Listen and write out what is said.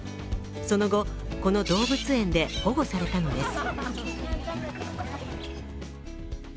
その後、この動物園で保護されたのです。